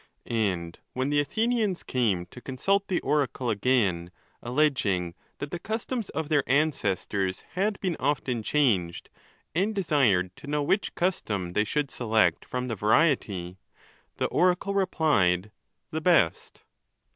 And when the Athenians came to consult the oracle again, alleging that the customs of their ancestors had been often changed, and desired to know which custom they should select from ON THE LAWS. 447 the variety, the oracle replied, The best.